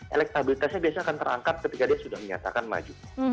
elektabilitasnya biasanya akan terangkat ketika dia sudah menyatakan maju